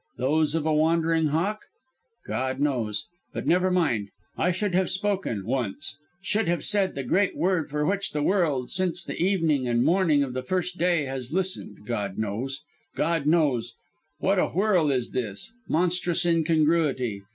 Those of a wandering hawk? God knows. But never mind. I should have spoken once; should have said the great Word for which the World since the evening and the morning of the First Day has listened. God knows. God knows. What a whirl is this? Monstrous incongruity.